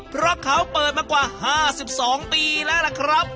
เพราะเขาเปิดมากว่า๕๒ปีแล้วล่ะครับ